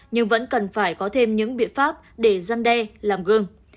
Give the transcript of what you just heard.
nhưng vẫn cần phải có thêm những biện pháp để gian đe làm gương